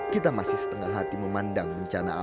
kita masih setengah hati memandang bencana alam